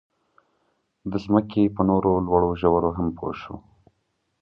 د ځمکې په نورو لوړو ژورو هم پوه شو.